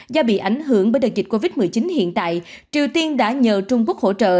do bị ảnh hưởng bởi đợt dịch covid một mươi chín hiện tại triều tiên đã nhờ trung quốc hỗ trợ